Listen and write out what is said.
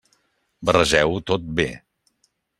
Barregeu-ho tot bé.